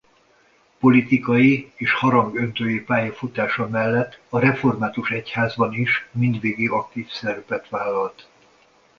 Politikai és harangöntői pályafutása mellett a református egyházban is mindvégig aktív szerepet vállalt.